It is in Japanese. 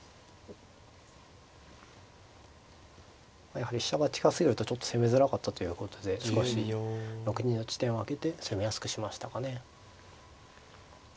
やはり飛車は近すぎるとちょっと攻めづらかったということで少し６二の地点を空けて攻めやすくしましたかね。